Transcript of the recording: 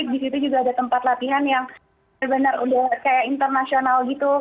di situ juga ada tempat latihan yang benar benar udah kayak internasional gitu